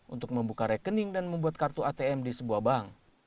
untuk membuka rekening dan membuat kartu atm di sebuah bank